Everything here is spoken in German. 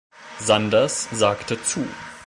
Sanders sagte zu.